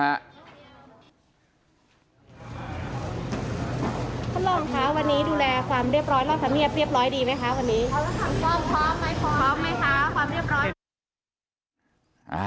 ท่านร่องค้าวันนี้ดูแลความเรียบร้อยทำเงียบเราจะเรียบร้อยดีไหมค่ะวันนี้